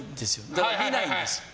だから、見ないんですよ。